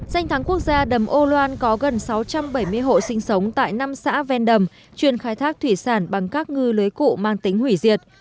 danh thắng quốc gia đầm âu loan có gần sáu trăm bảy mươi hộ sinh sống tại năm xã ven đầm chuyên khai thác thủy sản bằng các ngư lưới cụ mang tính hủy diệt